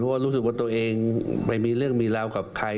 ว่ารู้สึกว่าตัวเองไปมีเรื่องมีราวกับใคร